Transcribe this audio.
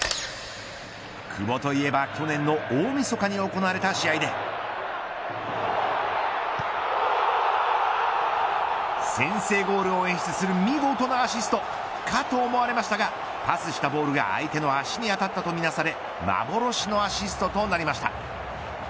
久保といえば、去年の大みそかに行われた試合で先制ゴールを演出する見事なアシストかと思われましたがパスしたボールが相手の足に当たったとみなされ幻のアシストとなりました。